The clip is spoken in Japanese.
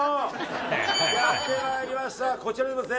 やってまいりましたこちら。